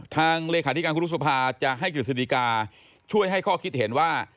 เลขาธิการครูรุษภาจะให้กฤษฎิกาช่วยให้ข้อคิดเห็นว่า